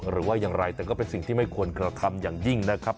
หรือว่าอย่างไรแต่ก็เป็นสิ่งที่ไม่ควรกระทำอย่างยิ่งนะครับ